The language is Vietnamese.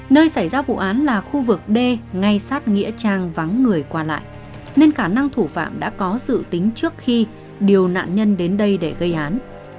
nơi xảy ra vụ án là khu vực d ngay sát nghĩa trang vắng người qua lại nên khả năng thủ phạm đã có dự tính trước khi điều nạn nhân đến đây để gây án